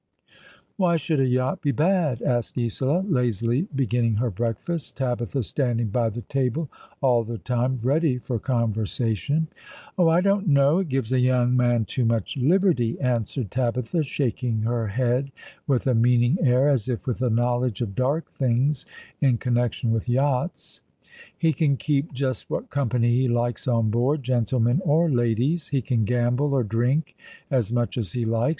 " Why should a yacht be bad ?" asked Isola, lazily begin ning her breakfast, Tabitha standing by the table all the time, ready for conversation. 0h, I don't know. It gives a young man too much " But the Days drop One by One!'' 29 liberty," answered Tabitha, shaking her head with a meaning air, as if with a knowledge of dark things in connection with yachts. " He can keep just what company he likes on board — gentlemen or ladies. He can gamble — or drink — as much as he likes.